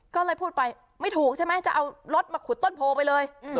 ก็เลยพูดไปไม่ถูกใช่ไหมจะเอารถมาขุดต้นโพไปเลย